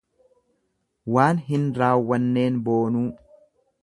Waan hin raawwanneen boonuu.